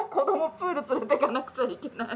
プール連れてかなくちゃいけない。